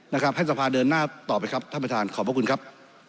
นะครับให้สภาเดินหน้าต่อไปครับท่านประธานขอบพระคุณครับ